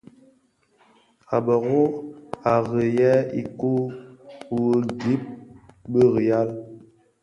A bërô à rì yêê ikoɔ wu gib bi riyal.